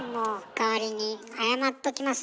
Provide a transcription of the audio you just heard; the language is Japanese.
代わりに謝っときます。